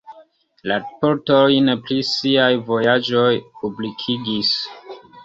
Raportojn pri siaj vojaĝoj publikigis.